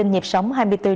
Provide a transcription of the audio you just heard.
nhịp sống hai mươi bốn bảy